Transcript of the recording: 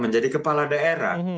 menjadi kepala daerah